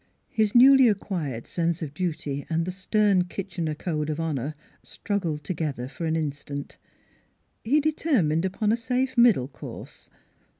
His newly acquired sense of duty and the stern Kitchener code of honor struggled together for an instant. He determined upon a safe middle course.